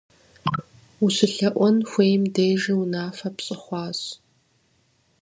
УщылъэӀуэн хуейм дежи унафэ пщӀы хъуащ.